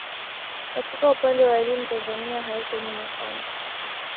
Katika upande wa elimu Tanzania haiko nyuma sana